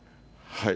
はい。